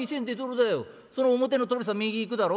その表の通りさ右行くだろ？